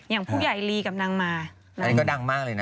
อย่างผู้ใหญ่ลีกับนางมาอันนี้ก็ดังมากเลยนะ